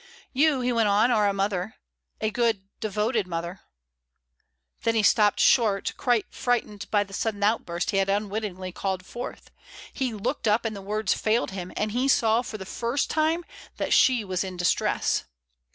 "You," he went on, "are a mother, a good, devoted mother " Then he stopped short, quite frightened by the sudden outburst he had unwittingly called forth; he looked up, and the words failed him, and he saw for the first time that she was in distress.